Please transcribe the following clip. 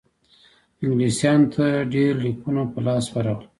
انګلیسیانو ته ډېر لیکونه په لاس ورغلل.